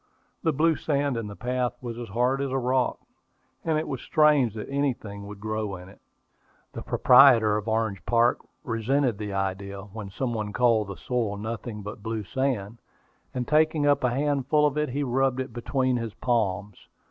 The blue sand in the path was as hard as a rock, and it was strange that anything would grow in it. The proprietor of Orange Park resented the idea, when some one called the soil nothing but blue sand; and taking up a handful of it, he rubbed it between his palms.